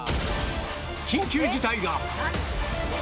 緊急事態が。